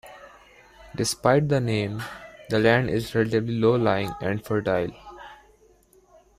Despite the name, the land is relatively low-lying and fertile.